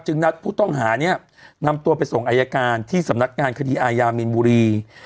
นัดผู้ต้องหาเนี่ยนำตัวไปส่งอายการที่สำนักงานคดีอายามีนบุรี